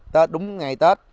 tết đúng ngày tết